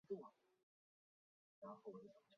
暂别政坛。